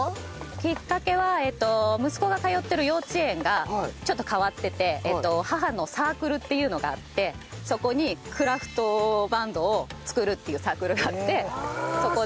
きっかけは息子が通ってる幼稚園がちょっと変わってて母のサークルっていうのがあってそこにクラフトバンドを作るっていうサークルがあってそこで。